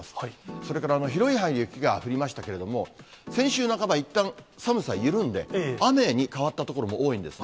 それから、広い範囲で雪が降りましたけれども、先週半ば、いったん寒さ緩んで、雨に変わった所も多いんですね。